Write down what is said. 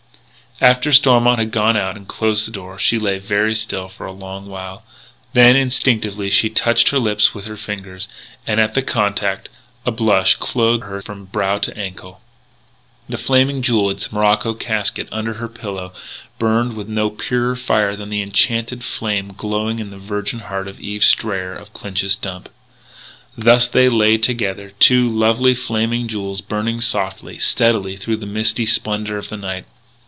After Stormont had gone out and closed the door, she lay very still for a long while. Then, instinctively, she touched her lips with her fingers; and, at the contact, a blush clothed her from brow to ankle. The Flaming Jewel in its morocco casket under her pillow burned with no purer fire than the enchanted flame glowing in the virgin heart of Eve Strayer of Clinch's Dump. Thus they lay together, two lovely flaming jewels burning softly, steadily through the misty splendour of the night.